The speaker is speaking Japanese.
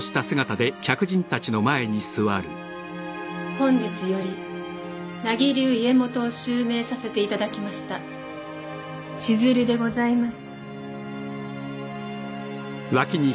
本日より名木流家元を襲名させていただきました千鶴でございます。